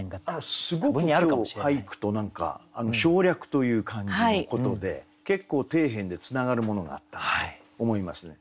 すごく今日俳句と何か省略という感じのことで結構底辺でつながるものがあったんだと思いますね。